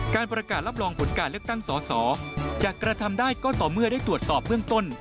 การประกาศรับรองผลการเลือกตั้งสอสอจะกระทำได้ก็ต่อเมื่อได้ตรวจสอบเบื้องต้น